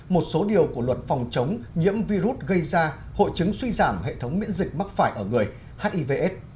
một số điều của luật phòng chống nhiễm virus gây ra hội chứng suy giảm hệ thống miễn dịch mắc phải ở người hivs